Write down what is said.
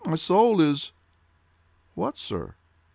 —my soul is—" "What, sir?"